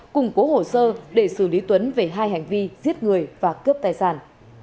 củng cố hồ sơ để xử lý tuấn về hai hành vi giết người và cướp tài sản